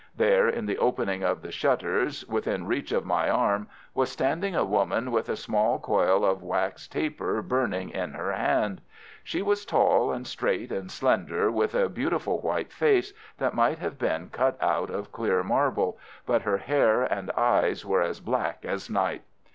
There, in the opening of the shutters, within reach of my arm, was standing a woman with a small coil of wax taper burning in her hand. She was tall and straight and slender, with a beautiful white face that might have been cut out of clear marble, but her hair and eyes were as black as night.